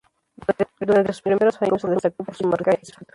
Durante sus primeros años se destacó por su marcaje y su defensa.